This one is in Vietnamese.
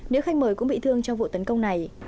nếu khách mời cũng bị thương trong vụ tấn công này